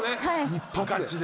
一発で。